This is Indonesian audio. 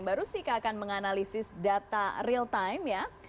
mbak rustika akan menganalisis data real time ya